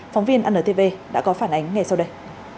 phóng viên antv đã có phản ánh ngay sau đây